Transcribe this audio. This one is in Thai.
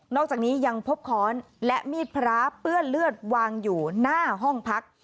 อกจากนี้ยังพบค้อนและมีดพระเปื้อนเลือดวางอยู่หน้าห้องพัก